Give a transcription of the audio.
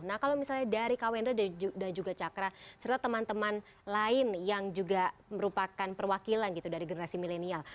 nah kalau misalnya dari kak wendra dan juga cakra serta teman teman lain yang juga merupakan perwakilan gitu dari generasi milenial